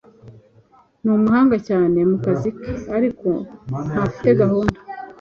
Ni umuhanga cyane mu kazi ke, ariko ntafite gahunda.